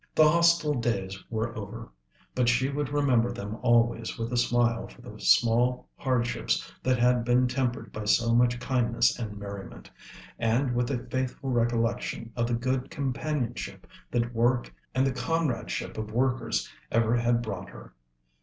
The Hostel days were over, but she would remember them always with a smile for the small hardships that had been tempered by so much kindness and merriment, and with a faithful recollection of the good companionship that work and the comradeship of workers ever had brought her.